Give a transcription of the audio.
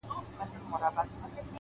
چي له بې ميني ژونده-